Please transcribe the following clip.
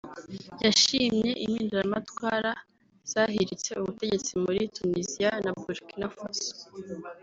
yashimye impinduramatwara zahiritse ubutegetsi muri Tuniziya na Burkina Faso